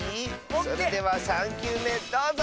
それでは３きゅうめどうぞ！